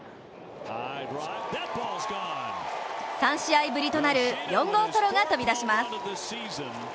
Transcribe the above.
３試合ぶりとなる４号ソロが飛び出します。